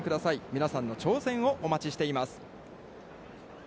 皆さんの挑戦をお待ちしています。